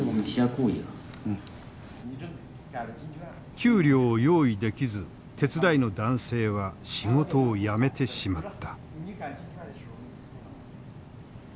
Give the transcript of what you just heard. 給料を用意できず手伝いの男性は仕事を辞めてしまった。